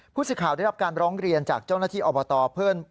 ผู้สื่อข่าวได้รับการร้องเรียนจากเจ้าหน้าที่อบตเพื่อน